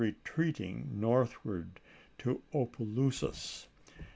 retreating northward to Opelousas.